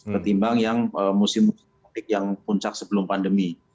ketimbang yang musim mudik yang puncak sebelum pandemi